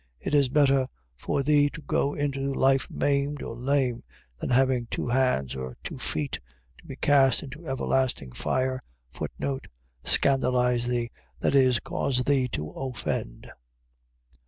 It is better for thee to go into life maimed or lame, than having two hands or two feet, to be cast into everlasting fire. Scandalize thee. . .That is, cause thee to offend.